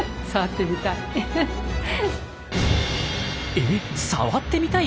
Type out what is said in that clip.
え触ってみたい！？